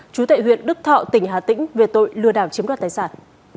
chú tại huyện đức thọ tỉnh hà tĩnh về tội lừa đảo chiếm đoạt tài sản